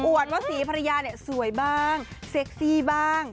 อวดว่าสีภรรยาสวยบ้างเซ็กซี่บ้าง